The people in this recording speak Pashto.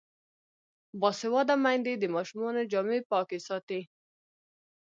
باسواده میندې د ماشومانو جامې پاکې ساتي.